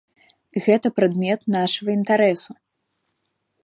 Гэта прадмет нашага інтарэсу.